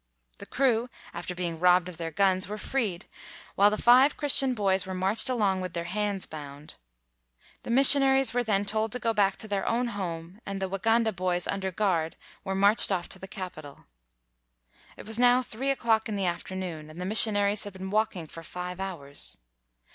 The crew, after being robbed of their guns, were freed, while the five Chris tian boys were marched along with their hands bound. The missionaries were then told to go back to their own home, and the Waganda boys under guard were marched off to the capital. It was now three o 'clock in the afternoon, and the missionaries had been walking for five hours.